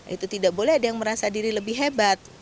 itu tidak boleh ada yang merasa diri lebih hebat